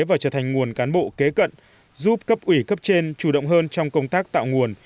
và trở thành nguồn cán bộ kế cận giúp cấp ủy cấp trên chủ động hơn trong công tác tạo nguồn